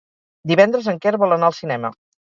Divendres en Quer vol anar al cinema.